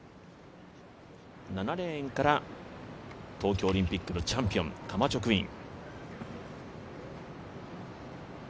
７レーンから東京オリンピックのチャンピオン、カマチョ・クイン。